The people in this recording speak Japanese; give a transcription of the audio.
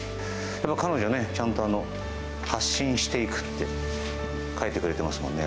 彼女、ちゃんと発信していくって書いてくれてますね。